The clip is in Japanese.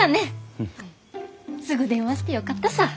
すぐ電話してよかったさぁ。